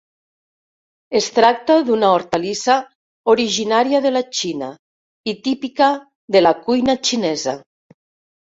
Es tracta d’una hortalissa originària de la Xina i típica de la cuina xinesa.